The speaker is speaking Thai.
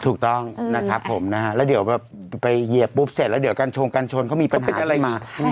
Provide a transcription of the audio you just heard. ถูกต้องนะครับผมนะฮะแล้วเดี๋ยวแบบไปเหยียบปุ๊บเสร็จแล้วเดี๋ยวกัญชงกันชนเขามีปัญหาอะไรมา